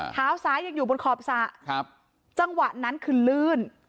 เท้าซ้ายยังอยู่บนขอบสระครับจังหวะนั้นคือลื่น